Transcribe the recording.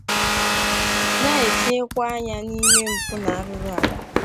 na-etinyekwa anya n'imë mpụ na arụrụala.